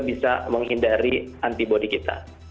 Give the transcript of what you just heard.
bisa menghindari antibody kita